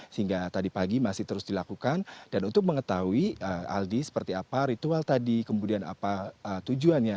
sehingga tadi pagi masih terus dilakukan dan untuk mengetahui aldi seperti apa ritual tadi kemudian apa tujuannya